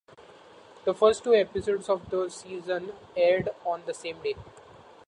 The first two episodes of the season aired on the same day.